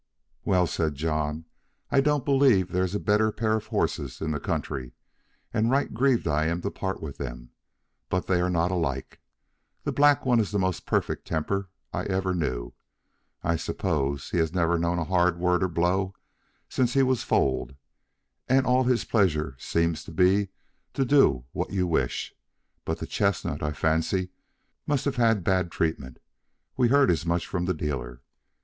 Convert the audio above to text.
"Well," said John, "I don't believe there is a better pair of horses in the country, and right grieved I am to part with them, but they are not alike. The black one is the most perfect temper I ever knew; I suppose he has never known a hard word or blow since he was foaled, and all his pleasure seems to be to do what you wish; but the chestnut, I fancy, must have had bad treatment; we heard as much from the dealer.